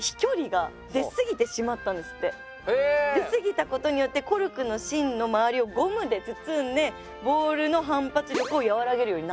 出過ぎたことによってコルクの芯の周りをゴムで包んでボールの反発力を和らげるようになったということで。